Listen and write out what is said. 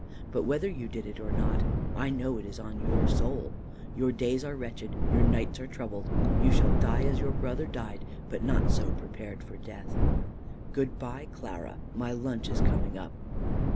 But whether you did it or not, I know it is on your soul. Your days are wretched, your nights are troubled. You shall die as your brother died, but not so prepared for death." "Good bye, Clara. My lunch is coming up."